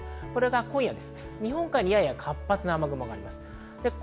今夜は日本海にやや活発な雨雲があります。